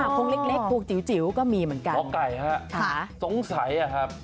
พวงเล็กเล็กพวงจิ๋วก็มีเหมือนกันหมอไก่ฮะค่ะสงสัยอะครับ